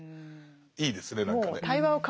いいですね何かね。